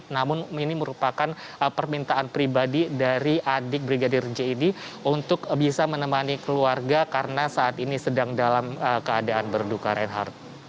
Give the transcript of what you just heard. namun ini merupakan permintaan pribadi dari adik brigadir j ini untuk bisa menemani keluarga karena saat ini sedang dalam keadaan berduka reinhardt